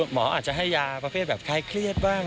หมออาจจะให้ยาประเภทแบบคล้ายเครียดบ้าง